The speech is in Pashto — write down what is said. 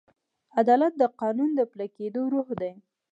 عدالت د قانون د پلي کېدو روح دی.